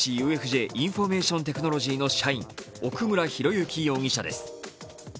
インフォメーションテクノロジーの社員、奥村啓志容疑者です。